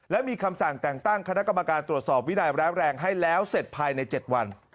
และมีคำสั่งแต่งตั้งคณะกรรมการตรวจสอบวินัยร้ายแรงให้แล้วเสร็จภายใน๗วัน